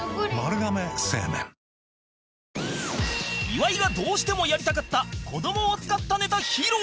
岩井がどうしてもやりたかった子どもを使ったネタ披露！